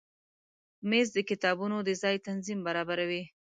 مېز د کتابونو د ځای تنظیم برابروي.